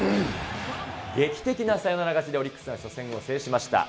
劇的なサヨナラ勝ちで、オリックスは初戦を制しました。